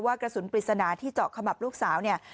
กระสุนปริศนาที่เจาะขมับลูกสาวเนี่ย